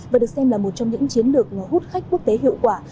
và được xem là một trong những chiến lược hút khách quốc tế hiệu quả